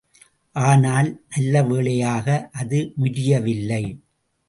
ஆனால், நல்லவேளையாக அது முரியவில்லை.